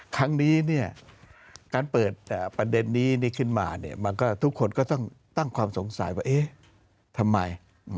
ครั้งนี้การเปิดประเด็นนี้ขึ้นมาทุกคนก็ต้องตั้งความสงสัยว่าทำไม